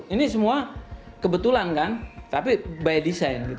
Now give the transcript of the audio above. ini semua kebetulan kan tapi by design